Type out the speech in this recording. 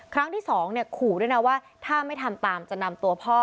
ครั้งที่๒ขู่ด้วยนะว่าถ้าไม่ทำตามจะนำตัวพ่อ